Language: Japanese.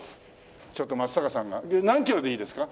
ちょっと松坂さんが何キロでいいですか？